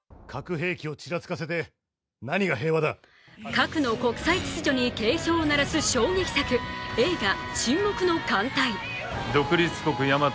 核の国際秩序に警鐘を鳴らす衝撃作映画「沈黙の艦隊」。